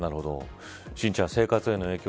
心ちゃん生活への影響